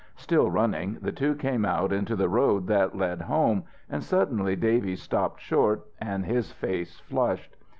Still running, the two came out into the road that led home, and suddenly Davy stopped short and his face flushed.